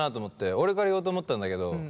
俺から言おうと思ったんだけどそう。